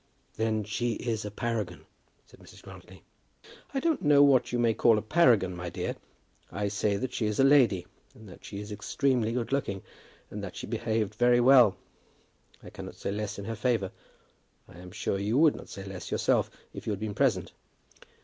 "Then she is a paragon," said Mrs. Grantly. "I don't know what you may call a paragon, my dear. I say that she is a lady, and that she is extremely good looking, and that she behaved very well. I cannot say less in her favour. I am sure you would not say less yourself, if you had been present."